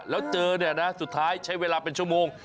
แล้วเจอเนี่ยนะสุดท้ายใช้เวลาเป็นชั่วโมง